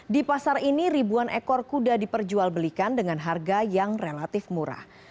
di pasar ini ribuan ekor kuda diperjualbelikan dengan harga yang relatif murah